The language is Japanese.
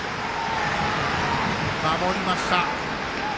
守りました。